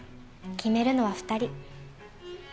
決めるのは２人。